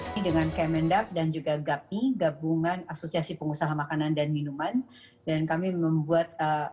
hai dengan kemendak dan juga gapi gabungan asosiasi pengusaha makanan dan minuman dan kami membuat